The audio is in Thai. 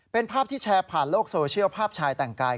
เป็นภาพที่แชร์ผ่านโลกโซเชียลภาพชายแต่งกาย